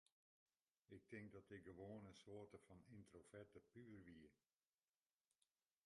Ik tink dat ik gewoan in soarte fan yntroverte puber wie.